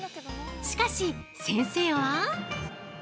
しかし、先生は？